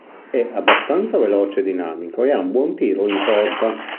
È abbastanza veloce e dinamico e ha un buon tiro in porta.